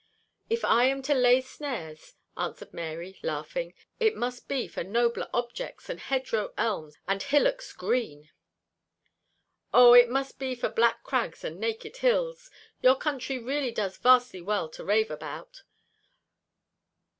"If I am to lay snares," answered Mary, laughing, "it must be for nobler objects than hedgerow elms and hillocks green." "Oh, it must be for black crags and naked hills! Your country really does vastly well to rave about!